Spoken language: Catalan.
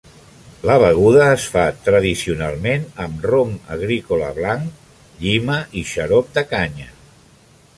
La beguda es fa tradicionalment amb rom agrícola blanc, llima i xarop de canya.